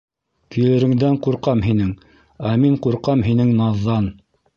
Килереңдән ҡурҡам һинең, Ә мин ҡурҡам һинең наҙҙан...